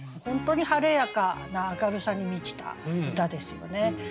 本当に晴れやかな明るさに満ちた歌ですよね。